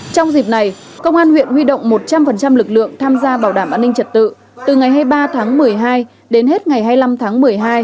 trong dịp này công an huyện huy động một trăm linh lực lượng tham gia bảo đảm an ninh trật tự từ ngày hai mươi ba tháng một mươi hai đến hết ngày hai mươi năm tháng một mươi hai